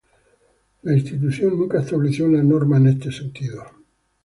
La institución nunca estableció una norma en este sentido.